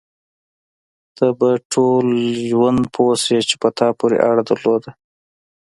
ته به په ټول ژوند پوه شې چې په تا پورې اړه درلوده.